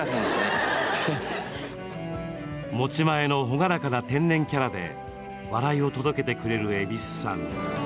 持ち前の朗らかな天然キャラで笑いを届けてくれる蛭子さん。